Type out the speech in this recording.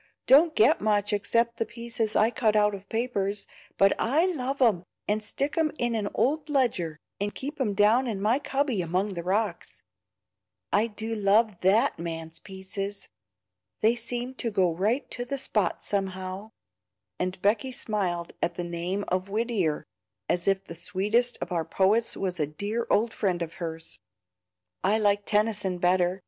don't get much except the pieces I cut out of papers, but I love 'em, and stick 'em in an old ledger, and keep it down in my cubby among the rocks. I do love THAT man's pieces. They seem to go right to the spot somehow;" and Becky smiled at the name of Whittier as if the sweetest of our poets was a dear old friend of hers. "I like Tennyson better.